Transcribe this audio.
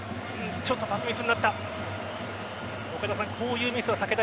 ちょっとパスミスになった。